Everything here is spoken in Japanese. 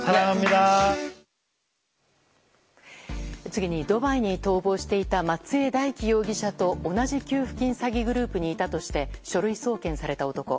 次に、ドバイに逃亡していた松江大樹容疑者と同じ給付金詐欺グループにいたとして書類送検された男。